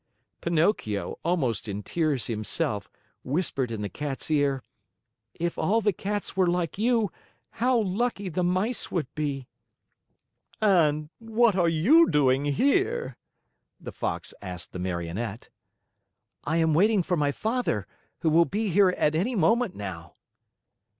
Pinocchio, almost in tears himself, whispered in the Cat's ear: "If all the cats were like you, how lucky the mice would be!" "And what are you doing here?" the Fox asked the Marionette. "I am waiting for my father, who will be here at any moment now."